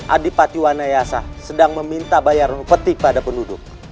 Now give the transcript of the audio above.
adipatiwanayasa sedang meminta bayaran peti pada penduduk